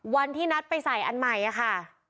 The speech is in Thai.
วันที่นัดไปใส่อันใหม่ค่ะ